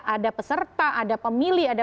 ada peserta ada pemilih ada